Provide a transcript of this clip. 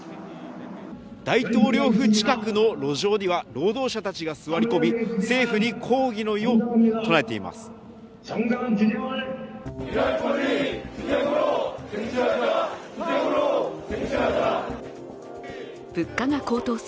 大統領府近くの路上には労働者たちが座り込み、政府に抗議の意を唱えています。